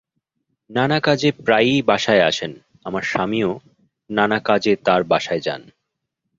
নানা কাজে প্রায়ই বাসায় আসেন, আমার স্বামীও নানা কাজে তাঁর বাসায় যান।